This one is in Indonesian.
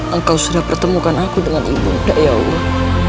engkau sudah pertemukan aku dengan ibu ndak ya allah